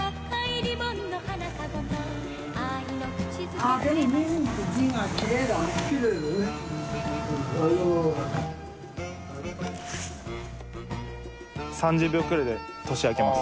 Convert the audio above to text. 流川Ｄ）３０秒ぐらいで年明けます。